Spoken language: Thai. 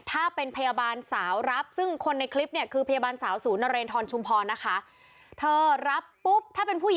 ถ้าเป็นพยาบาลสาวรับซึ่งคนในคลิปเนี่ย